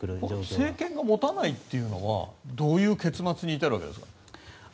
政権が持たないというのはどういう結末に至るんですか？